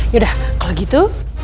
yaudah kalau gitu